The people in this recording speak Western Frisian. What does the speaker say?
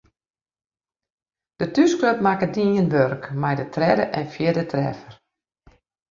De thúsklup makke dien wurk mei de tredde en fjirde treffer.